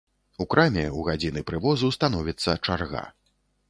У краме ў гадзіны прывозу становіцца чарга.